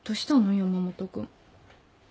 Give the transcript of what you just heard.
山本君。